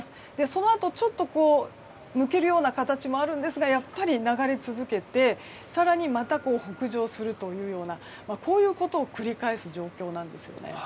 そのあと、ちょっと抜けるような形もあるんですがやっぱり流れ続けて更にまた、北上するようなこういうことを繰り返す状況なんですね。